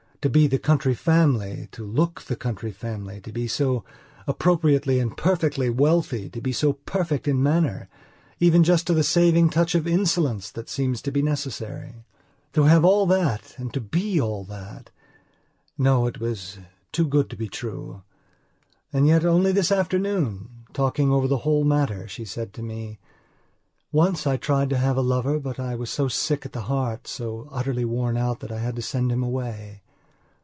To be the county family, to look the county family, to be so appropriately and perfectly wealthy; to be so perfect in mannereven just to the saving touch of insolence that seems to be necessary. To have all that and to be all that! No, it was too good to be true. And yet, only this afternoon, talking over the whole matter she said to me: "Once I tried to have a lover but I was so sick at the heart, so utterly worn out that I had to send him away."